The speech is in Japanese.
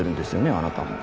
あなたも」